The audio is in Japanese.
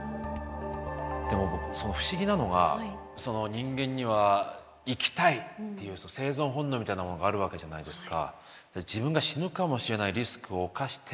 でも不思議なのがその人間には生きたいっていう生存本能みたいなものがあるわけじゃないですか。